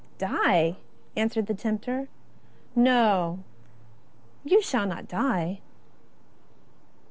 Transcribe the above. " Die !" answered the tempter, " no, you shall not die."